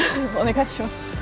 お願いします